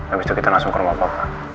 abis itu kita langsung ke rumah papa